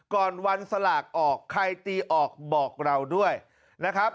ก่อนวันสลากออกใครตีออกบอกเราด้วยนะครับ